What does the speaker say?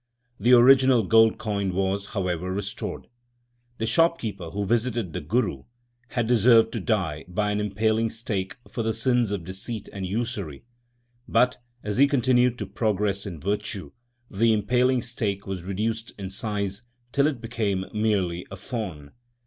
The original gold coin was, however, restored. The shopkeeper who visited the Guru, had deserved to die by an impaling stake for the sins of deceit and usury, but, as he continued to progress in virtue, the impaling stake was reduced in size till it became merely a thorn.